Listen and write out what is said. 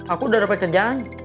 aku udah dapat kerjaan